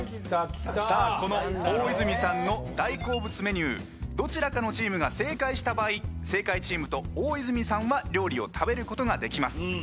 この大泉さんの大好物メニューどちらかのチームが正解した場合正解チームと大泉さんは料理を食べることができます。